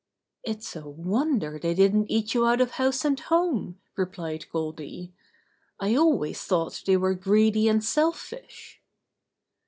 "It's a wonder they didn't eat you out of house and home," replied Goldy. "I always thought they were greedy and selfish."